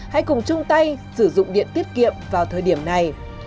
hãy cùng chung tay sử dụng điện tiết kiệm vào thời điểm này